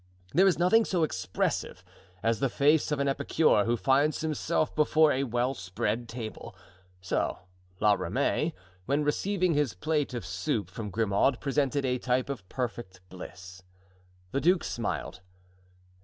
There is nothing so expressive as the face of an epicure who finds himself before a well spread table, so La Ramee, when receiving his plate of soup from Grimaud, presented a type of perfect bliss. The duke smiled.